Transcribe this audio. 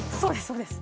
そうです